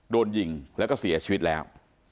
โดนยิงแล้วก็เสียชีวิตแล้ว